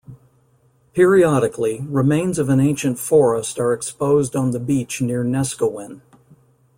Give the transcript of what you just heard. Periodically, remains of an ancient forest are exposed on the beach near Neskowin.